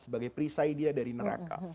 sebagai perisai dia dari neraka